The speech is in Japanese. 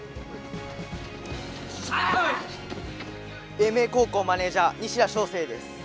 英明高校マネージャー・西田翔星です。